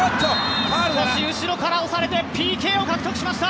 少し後ろから押されてＰＫを獲得しました！